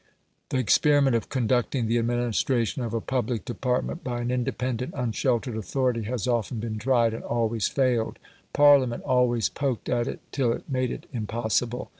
The experiment of conducting the administration of a public department by an independent unsheltered authority has often been tried, and always failed. Parliament always poked at it, till it made it impossible.